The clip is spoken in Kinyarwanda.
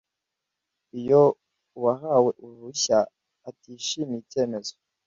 iyo uwahawe uruhushya atishimiye icyemezo